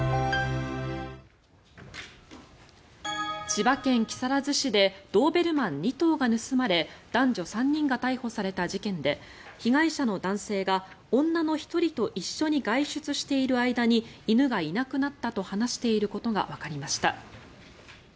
千葉県木更津市でドーベルマン２頭が盗まれ男女３人が逮捕された事件で被害者の男性が女の１人と一緒に外出している間に犬がいなくなったと話していることがわかりました。